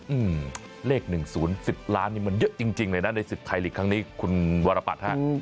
อือเลขหนึ่งศูนย์๑๐ล้านมันเยอะจริงเลยนะในศึกธุรกรรมไทยลีกครั้งนี้คุณวรปัชธา